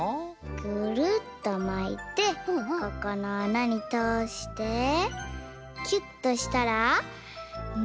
ぐるっとまいてここのあなにとおしてきゅっとしたらむすべます！